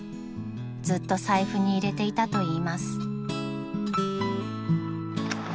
［ずっと財布に入れていたといいます］